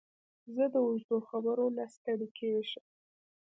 زه د اوږدو خبرو نه ستړی کېږم.